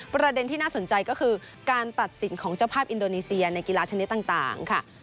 ประเด็นที่น่าสนใจก็คือการตัดสินของเจ้าภาพอินโดนีเซียในกีฬาชนิดต่างค่ะ